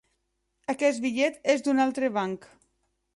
Aquest bitllet és d'un altre banc.